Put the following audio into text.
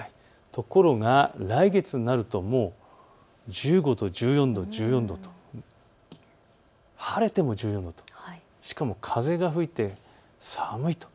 ところが来月になるともう１５度、１４度、晴れても１４度としかも風が吹いて寒いと。